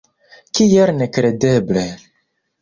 Kiel nekredeble!